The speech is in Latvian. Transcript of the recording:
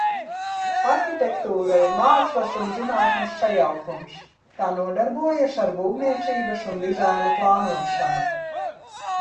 Arhitektūra ir mākslas un zinātnes sajaukums. Tā nodarbojas ar būvniecības un dizaina plānošanu.